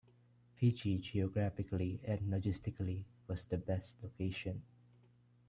Fiji geographically and logistically was the best location.